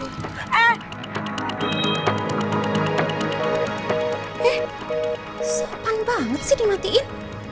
eh sopan banget sih dimatiin